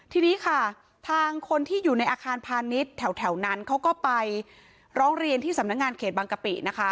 ทีนี้ค่ะทางคนที่อยู่ในอาคารพาณิชย์แถวนั้นเขาก็ไปร้องเรียนที่สำนักงานเขตบางกะปินะคะ